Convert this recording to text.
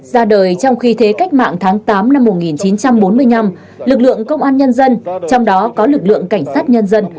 ra đời trong khi thế cách mạng tháng tám năm một nghìn chín trăm bốn mươi năm lực lượng công an nhân dân trong đó có lực lượng cảnh sát nhân dân